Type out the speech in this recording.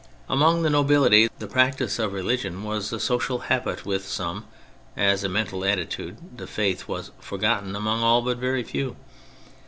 Among the nobility the practice of religion was a social habit with some — as a mental attitude the Faith was forgotten among all but a very few.